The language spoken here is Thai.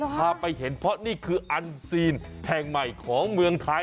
พาไปเห็นเพราะนี่คืออันซีนแห่งใหม่ของเมืองไทย